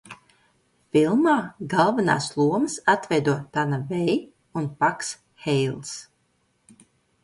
Filmā galvenās lomas atveido Tana Vei un Paks Heils.